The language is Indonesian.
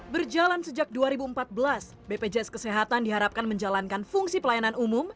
berjalan sejak dua ribu empat belas bpjs kesehatan diharapkan menjalankan fungsi pelayanan umum